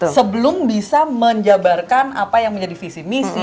sebelum bisa menjabarkan apa yang menjadi visi misi